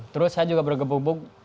terus saya juga bergembuk gembuk